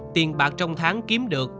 tiền bạc trong tháng kiếm được